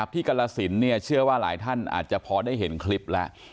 กรสินเชื่อว่าหลายท่านอาจจะพอได้เห็นคลิปแล้ว